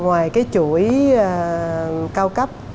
ngoài cái chuỗi cao cấp